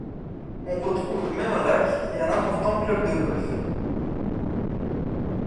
On retrouve même un lac et un important club de golf.